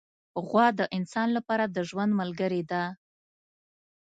غوا د انسان لپاره د ژوند ملګرې ده.